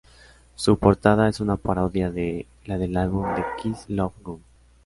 Su portada es una parodia de la del álbum de Kiss "Love Gun".